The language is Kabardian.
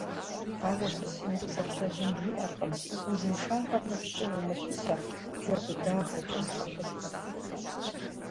Ауэ сытми псалъэжьым жиӀэркъым: «Узыншагъэр ныбжькӀэ умылъытэ, дзэ быдагъэкӀэ къэлъытэ».